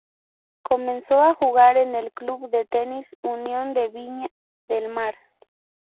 Comenzó a jugar en el Club de Tenis Union de Viña del Mar.